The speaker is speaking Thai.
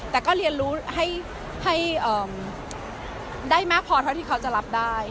แต่ก็เรียนรู้ให้ได้มากพอเท่าที่เขาจะรับได้